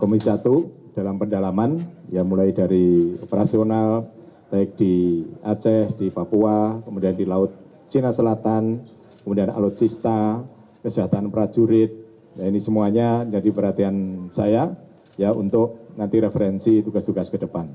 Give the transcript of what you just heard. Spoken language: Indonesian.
komisi satu dalam pendalaman ya mulai dari operasional baik di aceh di papua kemudian di laut cina selatan kemudian alutsista kesehatan prajurit ini semuanya jadi perhatian saya ya untuk nanti referensi tugas tugas ke depan